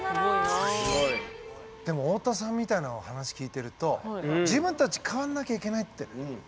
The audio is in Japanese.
でも太田さんみたいなお話聞いてると自分たち変わんなきゃいけないって感じてきます？